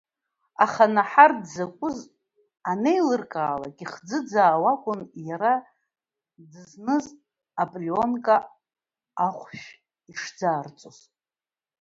Аха, Наҳар дзакәыз анеилыркаалак, ихӡыӡаауа акәын иара дызныз аплионка ахәшә ишӡаарҵоз.